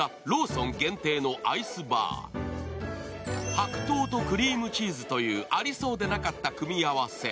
白桃とクリームチーズというありそうでなかった組み合わせ。